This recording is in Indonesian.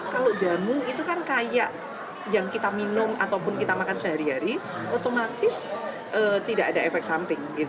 kalau jamu itu kan kayak yang kita minum ataupun kita makan sehari hari otomatis tidak ada efek samping